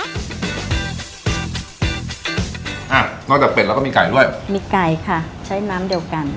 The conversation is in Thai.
อ่ะนอกจากเป็ดแล้วก็มีไก่ด้วยมีไก่ค่ะใช้น้ำเดียวกัน